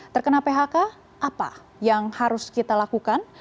terkena phk apa yang harus kita lakukan